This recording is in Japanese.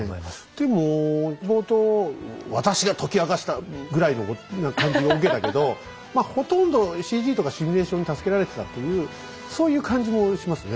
でも冒頭「私が解き明かした」ぐらいの感じを受けたけどまあほとんどＣＧとかシミュレーションに助けられてたっていうそういう感じもしますね。